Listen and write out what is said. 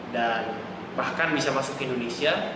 dan bahkan bisa masuk ke indonesia